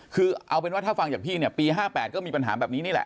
คือเอาเป็นว่าถ้าฟังจากพี่เนี่ยปี๕๘ก็มีปัญหาแบบนี้นี่แหละ